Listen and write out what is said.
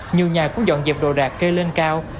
nhiều nhà cũng dọn dẹp đồ đạc kê lên cao